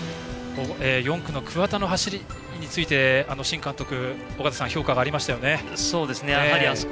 ４区の桑田の走りについて新監督の評価がありましたね、尾方さん。